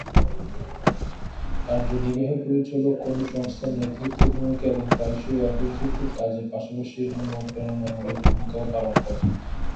কার্যনির্বাহী পরিচালক কোনও সংস্থার নেতৃত্বের ভূমিকা এবং প্রায়শই অফিস-ভিত্তিক কাজের পাশাপাশি অনুপ্রেরণামূলক ভূমিকাও পালন করেন।